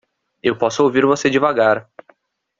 Eu posso ouvir você devagar.